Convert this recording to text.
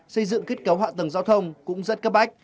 xây dựng kết cấu hạ tầng giao thông cũng rất cấp bách